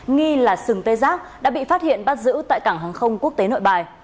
nghi là sừng tê giác đã bị phát hiện bắt giữ tại cảng hàng không quốc tế nội bài